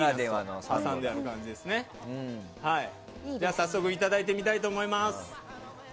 早速いただいてみたいと思います。